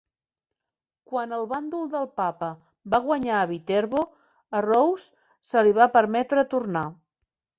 Quan el bàndol del Papa va guanyar a Viterbo, a Rose se li va permetre tornar.